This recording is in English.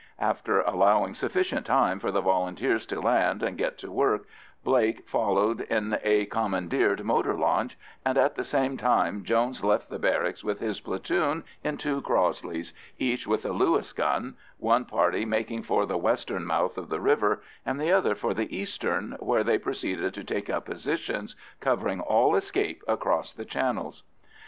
After allowing sufficient time for the Volunteers to land and get to work, Blake followed in a commandeered motor launch, and at the same time Jones left the barracks with his platoon in two Crossleys, each with a Lewis gun, one party making for the western mouth of the river, and the other for the eastern, where they proceeded to take up positions covering all escape across the channels.